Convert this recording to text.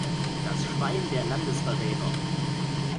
Das Schwein, der Landesverräter!